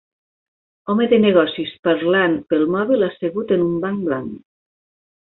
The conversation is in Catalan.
Home de negocis parlant pel mòbil assegut en un banc blanc.